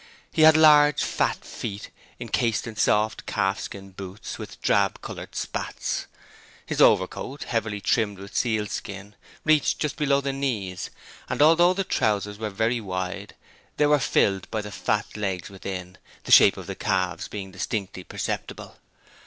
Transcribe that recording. He had large fat feet cased in soft calfskin boots, with drab coloured spats. His overcoat, heavily trimmed with sealskin, reached just below the knees, and although the trousers were very wide they were filled by the fat legs within, the shape of the calves being distinctly perceptible.